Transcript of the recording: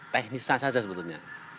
teknisnya saja sebetulnya